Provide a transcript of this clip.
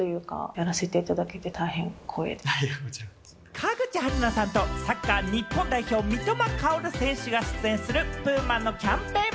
川口春奈さんとサッカー日本代表・三笘薫選手が出演するＰＵＭＡのキャンペーン